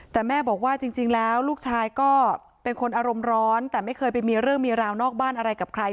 แต่แม่บอกว่าจริงแล้วลูกชายก็เป็นคนอารมณ์ร้อนแต่ไม่เคยไปมีเรื่องมีราวนอกบ้านอะไรกับใคร